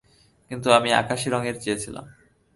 কিন্তু আমি আকাশী রঙের চেয়েছিলাম।